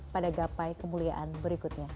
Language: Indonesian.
pada gapai kemuliaan berikutnya